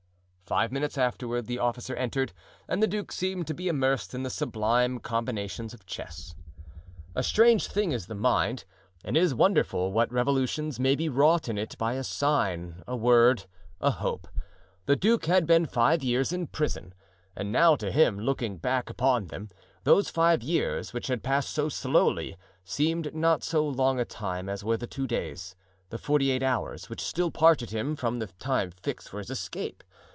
Five minutes afterward the officer entered and the duke seemed to be immersed in the sublime combinations of chess. A strange thing is the mind, and it is wonderful what revolutions may be wrought in it by a sign, a word, a hope. The duke had been five years in prison, and now to him, looking back upon them, those five years, which had passed so slowly, seemed not so long a time as were the two days, the forty eight hours, which still parted him from the time fixed for his escape.